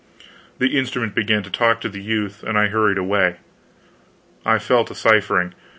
The instrument began to talk to the youth and I hurried away. I fell to ciphering.